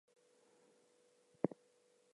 They say that its bite does not hurt them.